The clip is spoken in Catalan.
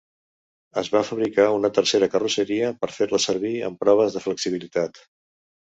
Es va fabricar una tercera carrosseria per fer-la servir en proves de flexibilitat.